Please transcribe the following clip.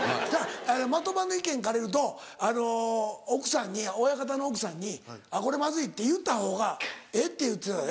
的場の意見借りると奥さんに親方の奥さんに「これまずい」って言ったほうがええって言ってたで。